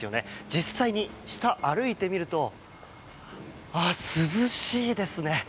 実際に下を歩いてみるとああ、涼しいですね。